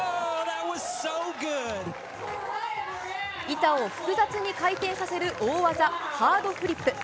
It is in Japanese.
板を複雑に回転させる大技ハードフリップ。